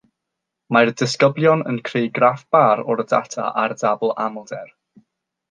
Mae'r disgyblion yn creu graff bar o'r data ar dabl amlder